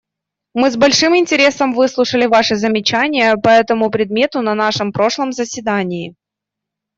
Мы с большим интересом выслушали Ваши замечания по этому предмету на нашем прошлом заседании.